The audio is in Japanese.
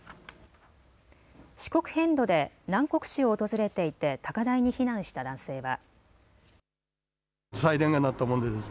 四国遍路で南国市を訪れていて高台に避難した男性は。